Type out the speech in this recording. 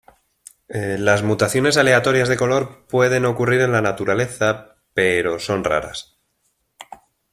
Las mutaciones aleatorias de color pueden ocurrir en la naturaleza, pero son raras.